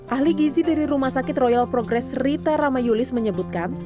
ahli gizi dari rumah sakit royal progress rita ramayulis menyebutkan